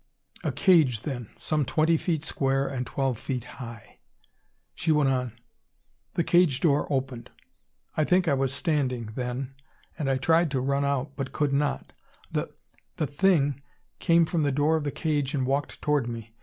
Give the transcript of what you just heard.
A cage, then, some twenty feet square and twelve feet high. She went on: "The cage door opened. I think I was standing, then, and I tried to run but could not. The the thing came from the door of the cage and walked toward me.